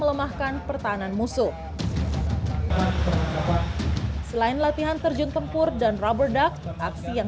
melaksanakan surop atau surf observation